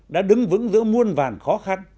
đã đứng vững giữa muôn vàn khó khăn